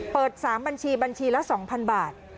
เปิด๓บัญชีบัญชีละ๒๐๐บาท